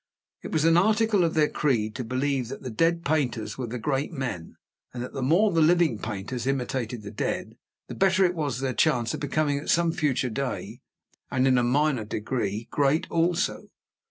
It was an article of their creed to believe that the dead painters were the great men, and that the more the living painters imitated the dead, the better was their chance of becoming at some future day, and in a minor degree, great also.